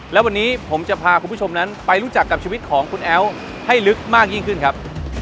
และวันนี้ผมจะพาคุณผู้ชมนั้นไปรู้จักกับชีวิตของคุณแอ๋วให้ลึกมากยิ่งขึ้นครับ